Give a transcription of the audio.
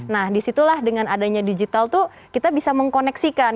nah disitulah dengan adanya digital itu kita bisa mengkoneksikan